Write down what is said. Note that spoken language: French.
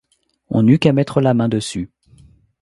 On n’eut qu’à mettre la main dessus.